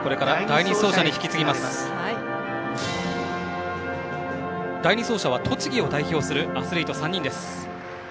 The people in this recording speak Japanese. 第２走者は栃木を代表するアスリート３人です。